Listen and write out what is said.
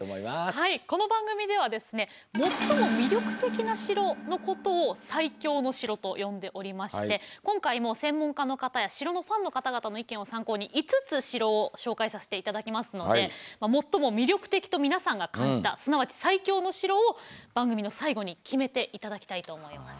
はいこの番組ではですね最も魅力的な城のことを「最強の城」と呼んでおりまして今回も専門家の方や城のファンの方々の意見を参考に５つ城を紹介させて頂きますので最も魅力的と皆さんが感じたすなわち最強の城を番組の最後に決めて頂きたいと思います。